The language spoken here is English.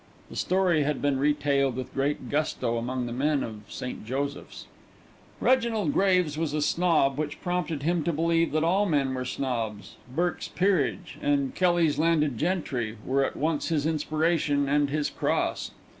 The story had been retailed with great gusto among the men of St. Joseph's. Reginald Graves was a snob, which prompted him to believe that all men were snobs. Burke's Peerage and Kelly's Landed Gentry were at once his inspiration and his cross.